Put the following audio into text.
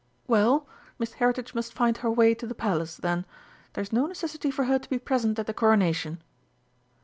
"Well, Miss Heritage must find her way to the Palace, then! There's no necessity for her to be present at the Coronation."